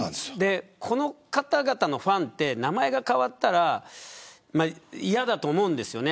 この方々のファンって名前が変わったら嫌だと思うんですよね。